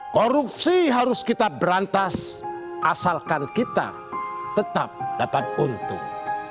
korupsi harus kita berantas asalkan kita tetap dapat untung